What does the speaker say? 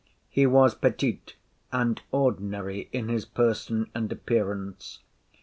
He was petit and ordinary in his person and appearance.